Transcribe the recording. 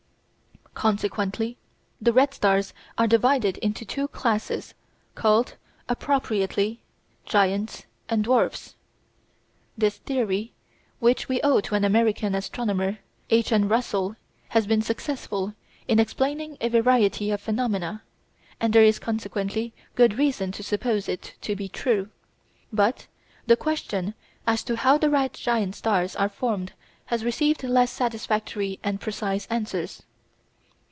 Consequently the red stars are divided into two classes called, appropriately, Giants and Dwarfs. This theory, which we owe to an American astronomer, H. N. Russell, has been successful in explaining a variety of phenomena, and there is consequently good reason to suppose it to be true. But the question as to how the red giant stars were formed has received less satisfactory and precise answers.